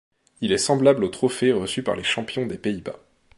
Il est semblable au trophée reçu par les champions des Pays-Bas.